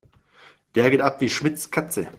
Der geht ab wie Schmitz' Katze.